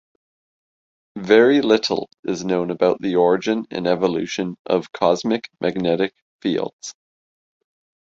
Very little is known about the origin and evolution of cosmic magnetic fields.